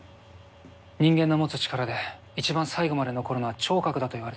人間の持つ力で一番最後まで残るのは聴覚だといわれてます。